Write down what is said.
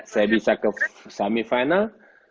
saya bisa ke semifinal